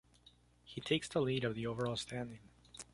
He takes the lead of the overall standing.